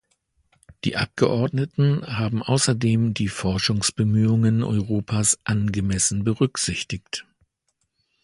Die Abgeordneten haben außerdem die Forschungsbemühungen Europas angemessen berücksichtigt.